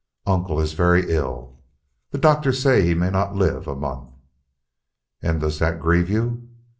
"Uncle is very ill. The doctors say that he may not live a month." "And does that grieve you?"